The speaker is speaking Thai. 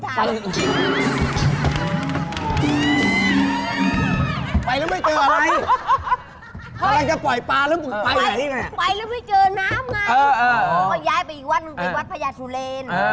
ครูคุ้มคุ้มพ่อเป็นคนเซ็นสติมเลย